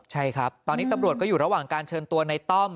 ใช่ครับตอนนี้ตำรวจก็อยู่ระหว่างการเชิญตัวในต้อม